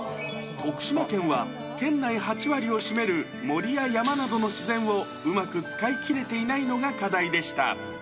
徳島県は、県内８割を占める森や山などの自然をうまく使いきれていないのが課題でした。